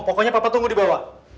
pokoknya papa tunggu di bawah